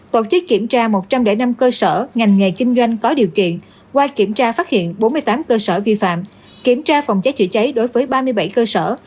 tổ chức kiểm tra một trăm linh năm cơ sở ngành nghề kinh doanh có điều kiện qua kiểm tra phát hiện bốn mươi tám cơ sở vi phạm kiểm tra phòng cháy chữa cháy đối với ba mươi bảy cơ sở